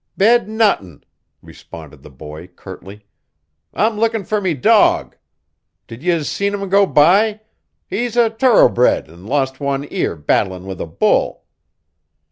"Bed nuttin'," responded the boy, curtly. "I'm lookin' fer me dog. Did yez seen him go by he's a t'oroughbred an' lost one ear battlin' with a bull."